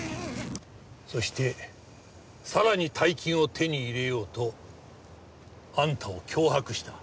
そしてさらに大金を手に入れようとあんたを脅迫した。